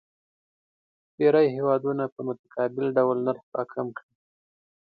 ډېری هیوادونه په متقابل ډول نرخ راکم کړي.